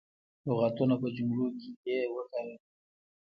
لغتونه په جملو کې دې وکاروي.